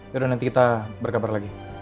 yaudah nanti kita berkabar lagi